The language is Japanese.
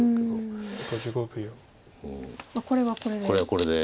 これはこれで。